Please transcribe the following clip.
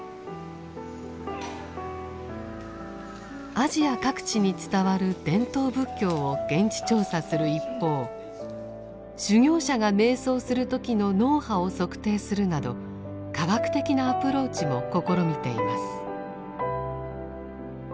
アジア各地に伝わる伝統仏教を現地調査する一方修行者が瞑想する時の脳波を測定するなど科学的なアプローチも試みています。